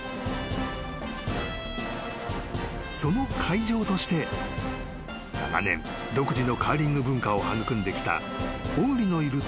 ［その会場として長年独自のカーリング文化を育んできた小栗のいる